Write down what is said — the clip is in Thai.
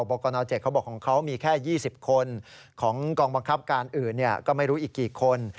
กรน๗เขาบอกของเขามีแค่๒๐คนของกองบังคับการอื่นก็ไม่รู้อีกกี่คน